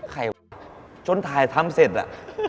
ใครจนถ่ายทำเสร็จอะ